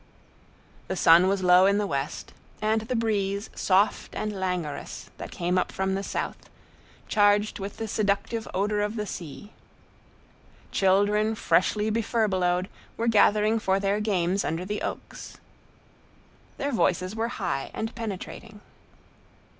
The sun was low in the west, and the breeze soft and languorous that came up from the south, charged with the seductive odor of the sea. Children freshly befurbelowed, were gathering for their games under the oaks. Their voices were high and penetrating.